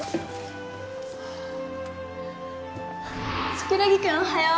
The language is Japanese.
桜木くんおはよう。